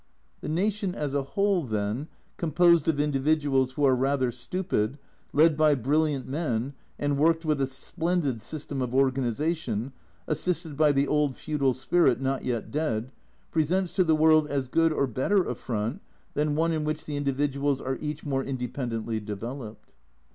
The nation as a whole then, composed of individuals who are rather stupid, led by brilliant men, and worked with a splendid system of organisation, assisted by the old feudal spirit not yet dead, presents to the world as good or better a front than one in which the in dividuals are each more independently developed.